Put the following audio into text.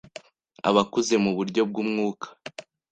Abakuze mu buryo bw’umwuka